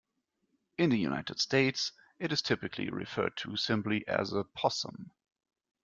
In the United States, it is typically referred to simply as a possum.